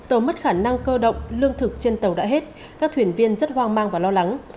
tàu mất khả năng cơ động lương thực trên tàu đã hết các thuyền viên rất hoang mang và lo lắng